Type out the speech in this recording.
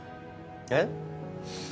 えっ？